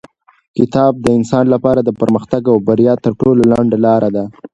کتاب د انسان لپاره د پرمختګ او بریا تر ټولو لنډه لاره ده.